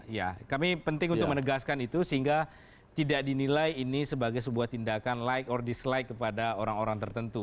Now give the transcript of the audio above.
ya kami penting untuk menegaskan itu sehingga tidak dinilai ini sebagai sebuah tindakan like or dislike kepada orang orang tertentu